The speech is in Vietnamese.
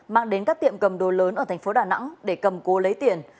mang đến các tiệm cầm đồ lớn ở tp đà nẵng để cầm cố lấy tiền